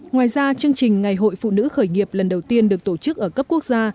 ngoài ra chương trình ngày hội phụ nữ khởi nghiệp lần đầu tiên được tổ chức ở cấp quốc gia